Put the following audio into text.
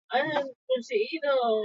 Gehienetan gune sakonetan egoten da.